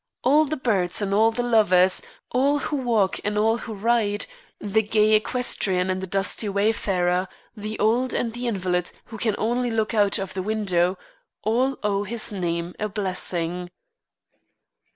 All the birds and all the lovers, all who walk and all who ride, the gay equestrian and the dusty wayfarer, the old and the invalid who can only look out of the window, all owe his name a blessing.